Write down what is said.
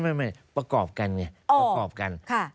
ไม่ประกอบกันไงประกอบกัน